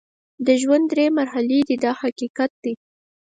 د ژوند درې مرحلې دي دا حقیقت دی.